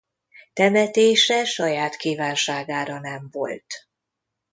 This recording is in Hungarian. Temetése saját kívánságára nem volt.